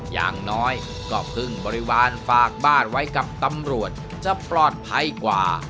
อย่างน้อยก็พึ่งบริวารฝากบ้านไว้กับตำรวจจะปลอดภัยกว่า